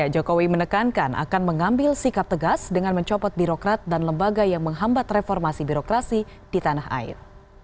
jokowi menekankan akan mengambil sikap tegas dengan mencopot birokrat dan lembaga yang menghambat reformasi birokrasi di tanah air